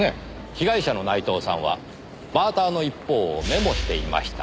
被害者の内藤さんはバーターの一方をメモしていました。